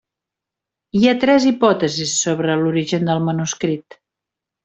Hi ha tres hipòtesis sobre l'origen del manuscrit.